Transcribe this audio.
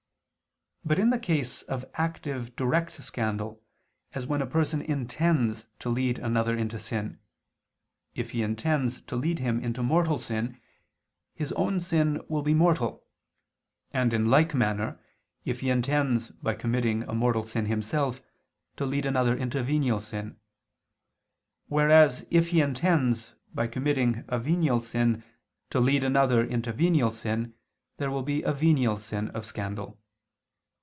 But in the case of active direct scandal, as when a person intends to lead another into sin, if he intends to lead him into mortal sin, his own sin will be mortal; and in like manner if he intends by committing a mortal sin himself, to lead another into venial sin; whereas if he intends, by committing a venial sin, to lead another into venial sin, there will be a venial sin of scandal.